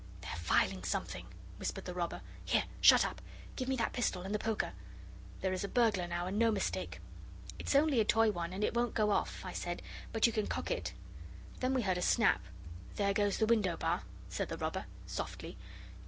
'They're filing something,' whispered the robber, 'here shut up, give me that pistol, and the poker. There is a burglar now, and no mistake.' 'It's only a toy one and it won't go off,' I said, 'but you can cock it.' Then we heard a snap. 'There goes the window bar,' said the robber softly.